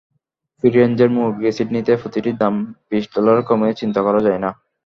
ফ্রি-রেঞ্জের মুরগি সিডনিতে প্রতিটির দাম বিশ ডলারের কমে চিন্তাই করা যায় না।